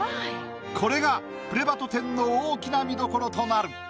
これがプレバト展の大きな見どころとなる。